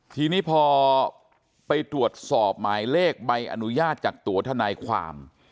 ทีนี้พอไปตรวจสอบหมายเลขใบอนุญาตจากตัวทนายความ